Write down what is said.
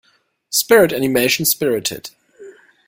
Spirit animation Spirited.